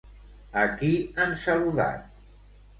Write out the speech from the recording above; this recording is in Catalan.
A qui han saludat?